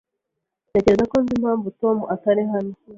Ntekereza ko nzi impamvu Tom atari hano.